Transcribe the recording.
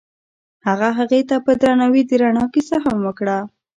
هغه هغې ته په درناوي د رڼا کیسه هم وکړه.